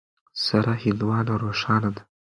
سره هندوانه روښانه ده.